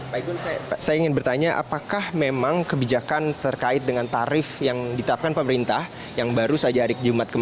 pak igun saya ingin bertanya apakah memang kebijakan terkait dengan tarif yang diterapkan pemerintah yang baru saja hari jumat